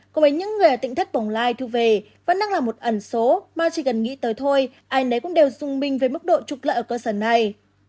cùng với những người ở tịnh thất bổng lai thu về vẫn đang là một ẩn số mà chỉ cần nghĩ tới thôi ai nấy cũng đều rung minh với mức độ trục lợi ở cơ sở này